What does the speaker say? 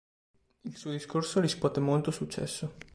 Il suo discorso riscuote molto successo.